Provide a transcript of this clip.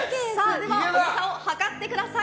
重さを量ってください。